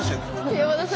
山田さん